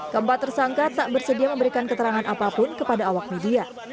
keempat tersangka tak bersedia memberikan keterangan apapun kepada awak media